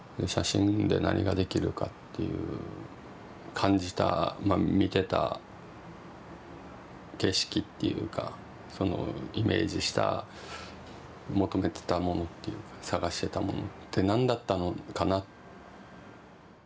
感じたまあ見てた景色っていうかそのイメージした求めてたものっていうか探してたものって何だったのかな。